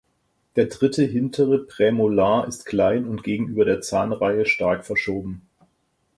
Der dritte hintere Prämolar ist klein und gegenüber der Zahnreihe stark verschoben.